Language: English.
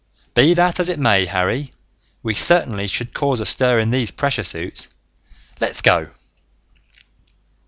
"Be that as it may, Harry, we certainly should cause a stir in these pressure suits. Let's go!"